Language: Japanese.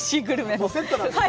もうセットなんですね。